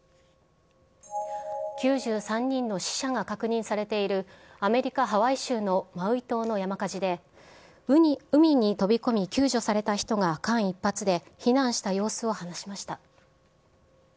９３人の死者が確認されている、アメリカ・ハワイ州のマウイ島の山火事で、海に飛び込み救助された人が間一髪で避難した様子を話しました。